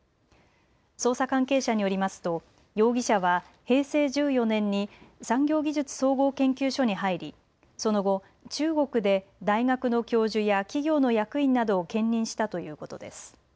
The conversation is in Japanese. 捜査関係者によりますと容疑者は平成１４年に産業技術総合研究所に入りその後中国で大学の教授や企業の役員などを兼任したということです。